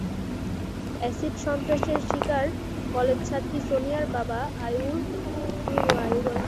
অ্যাসিড-সন্ত্রাসের শিকার কলেজছাত্রী সোনিয়ার বাবা আয়ুব আলী গতকাল সোমবার মামলাটি করেন।